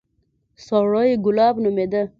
سړى ګلاب نومېده.